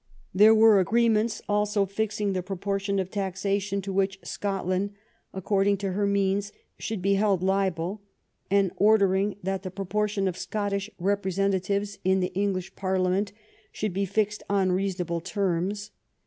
There were agreements also fixing the proportion of taxation to which Scotland, according to her means, should be held liable, and ordering that the proportion of Scot tish representatives in the English Parliament should be fixed on reasonable terms.